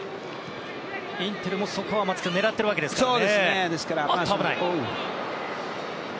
インテルも、そこは狙っているわけですね。